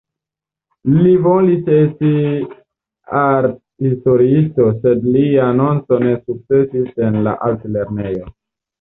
Li volis esti arthistoriisto, sed lia anonco ne sukcesis en la altlernejo.